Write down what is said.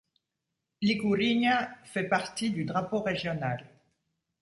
L'ikurriña fait partie du drapeau régional.